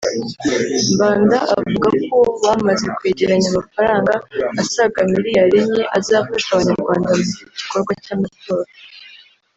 Mbanda avuga ko ubu bamaze kwegeranya amafaranga asaga miliyari enye azafasha Abanyarwanda mu gikorwa cy’amatora